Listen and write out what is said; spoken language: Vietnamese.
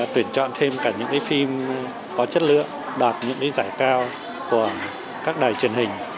tuyển chọn thêm cả những phim có chất lượng đạt những giải cao của các đài truyền hình